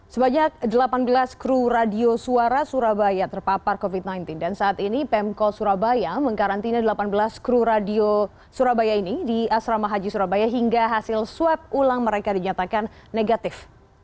sebanyak delapan belas kru radio suara surabaya terpapar covid sembilan belas dan saat ini pemkot surabaya mengkarantina delapan belas kru radio surabaya ini di asrama haji surabaya hingga hasil swab ulang mereka dinyatakan negatif